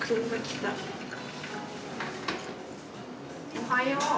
おはよう。